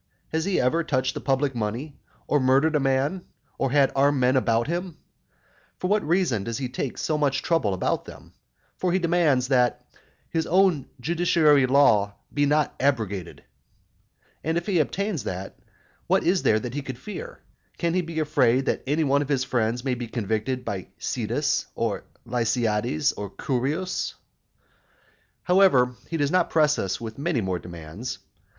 has he ever touched the public money, or murdered a man, or had armed men about him? But what reason has he for taking so much trouble about them? For he demands, "that his own judiciary law be not abrogated." And if he obtains that, what is there that he can fear? can he be afraid that any one of his friends may be convicted by Cydas, or Lysiades, or Curius? However, he does not press us with many more demands.